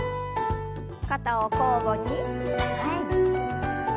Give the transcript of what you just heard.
肩を交互に前に。